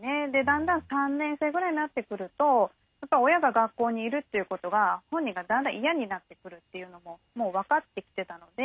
だんだん３年生ぐらいになってくると親が学校にいるっていうことが本人がだんだん嫌になってくるっていうのももう分かってきてたので。